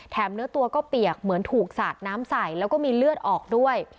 เนื้อตัวก็เปียกเหมือนถูกสาดน้ำใส่แล้วก็มีเลือดออกด้วย